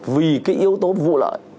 vì cái yếu tố vụ lợi